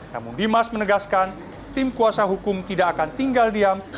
namun dimas menegaskan tim kuasa hukum tidak akan tinggal diam